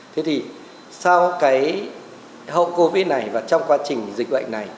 thế thì sau cái hậu covid này và trong quá trình dịch bệnh này